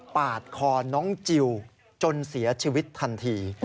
ปาดคอน้องจิลจนเสียชีวิตทันที